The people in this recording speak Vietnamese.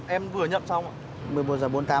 em vừa nhận xong ạ